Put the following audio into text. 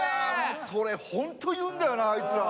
それホント言うんだよなあいつら。